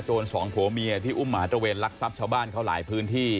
สองผัวเมียที่อุ้มหมาตระเวนลักทรัพย์ชาวบ้านเขาหลายพื้นที่